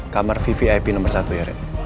kamar vvip nomer satu ya ren